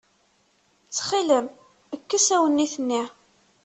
Ttxilem, kkes awennit-nni.